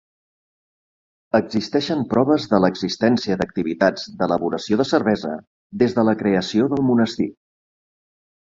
Existeixen proves de l'existència d'activitats d'elaboració de cervesa des de la creació del monestir.